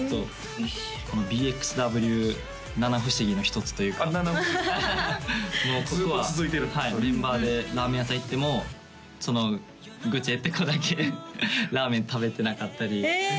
このＢＸＷ七不思議の一つというかあっ七不思議ずっと続いてるんですかメンバーでラーメン屋さん行ってもそのグチェって子だけラーメン食べてなかったりえ！